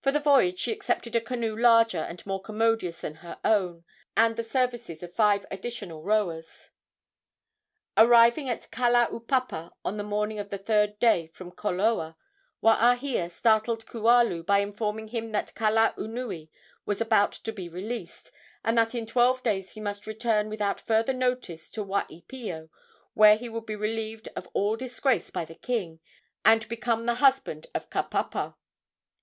For the voyage she accepted a canoe larger and more commodious than her own, and the services of five additional rowers. Arriving at Kalaupapa on the morning of the third day from Koloa, Waahia startled Kualu by informing him that Kalaunui was about to be released, and that in twelve days he must return without further notice to Waipio, where he would be relieved of all disgrace by the king, and become the husband of Kapapa.